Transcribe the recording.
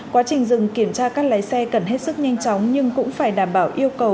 quá trình dừng kiểm tra các lái xe cần hết sức nhanh chóng nhưng cũng phải đảm bảo yêu cầu